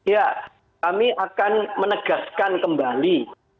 ya kami akan menegaskan kembali